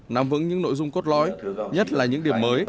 nằm vững những nội dung cốt lói nhất là những điểm mới